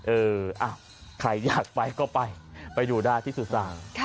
เออใครอยากไปก็ไปไปดูได้ที่สุสาน